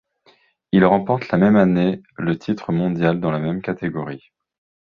Il remporte la même année le titre mondial dans la même catégorie.